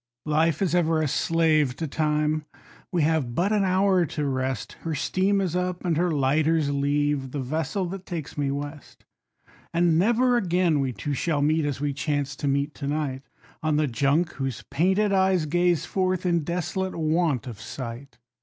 Life is ever a slave to Time; we have but an hour to rest, Her steam is up and her lighters leave, the vessel that takes me west; And never again we two shall meet, as we chance to meet to night, On the Junk, whose painted eyes gaze forth, in desolate want of sight.